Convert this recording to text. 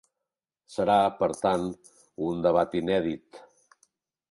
Serà, per tant, un debat inèdit.